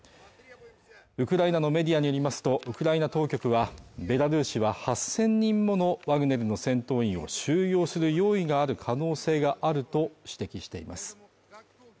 ウクライナのメディアによりますと、ウクライナ当局は、ベラルーシは８０００人ものワグネルの戦闘員を収容する用意がある可能性があると指摘しています。